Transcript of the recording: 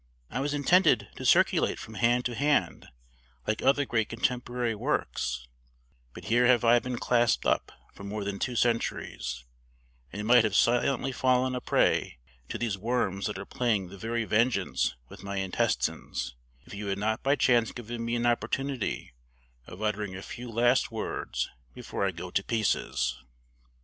I was intended to circulate from hand to hand, like other great contemporary works; but here have I been clasped up for more than two centuries, and might have silently fallen a prey to these worms that are playing the very vengeance with my intestines if you had not by chance given me an opportunity of uttering a few last words before I go to pieces."